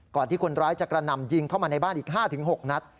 ที่คนร้ายจะกระนำยิงเข้ามาในบ้านอีก๕๖นัด